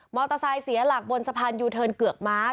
เตอร์ไซค์เสียหลักบนสะพานยูเทิร์นเกือกม้า